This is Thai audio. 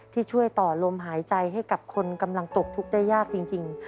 ที่ช่วยต่อลมหายใจให้กับคนกำลังตกทุกข์ได้ยากจริง